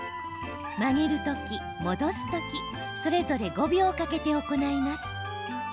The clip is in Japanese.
曲げる時、戻す時それぞれ５秒かけて行います。